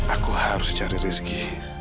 aku harus cari rizky